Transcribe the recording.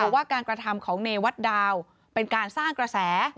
ว่าการกระทำของเนวัตดาวเป็นการสร้างกระแส